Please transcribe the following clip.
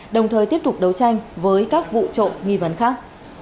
đồng thời tiếp tục đấu tranh với các vụ trộm nghi vấn khác